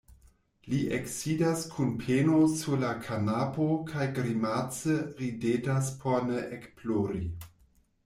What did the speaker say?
Li eksidas kun peno sur la kanapo kaj grimace ridetas por ne ekplori.